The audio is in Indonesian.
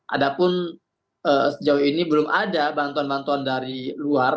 adapun sejauh ini belum ada bantuan bantuan dari luar